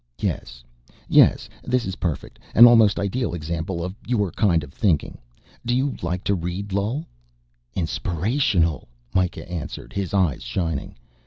"Yes ... yes, this is perfect. An almost ideal example of your kind of thinking. Do you like to read Lull?" "Inspirational!" Mikah answered, his eyes shining.